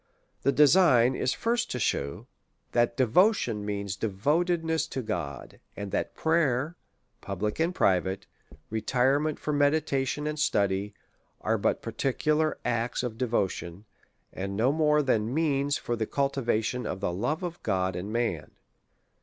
The design is first to shew, that devotion means devotedness to God ; and that prayer, public and private, retirement for meditation and study, are but particular acts of devotion, and no more than means for the cultivation of the love of God and man.